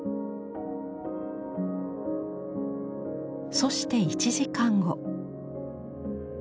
そして１時間後。